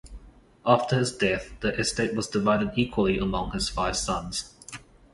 After his death the estate was divided equally among his five sons.